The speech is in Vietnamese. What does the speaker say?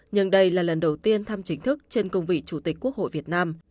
nhưng đây là lần đầu tiên thăm chính thức trên công vị chủ tịch quốc hội việt nam